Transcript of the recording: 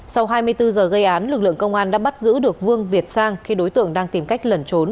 sau hai mươi bốn giờ gây án lực lượng công an đã bắt giữ được vương việt sang khi đối tượng đang tìm cách lẩn trốn